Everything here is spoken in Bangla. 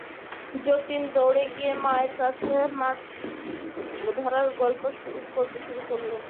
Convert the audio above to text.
যতীন দৌড়ে গিয়ে মায়ের কাছে মাছ ধরার গল্প করতে শুরু করে।